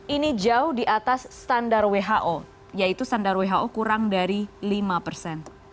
ini jauh di atas standar who yaitu standar who kurang dari lima persen